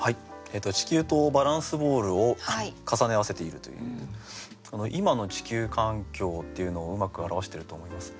地球とバランスボールを重ね合わせているという今の地球環境っていうのをうまく表してると思います。